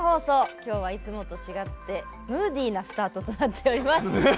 今日は、いつもと違ってムーディーなスタートとなっております。